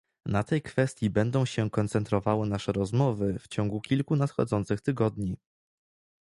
Na tej kwestii będą się koncentrowały nasze rozmowy w ciągu kilku nadchodzących tygodni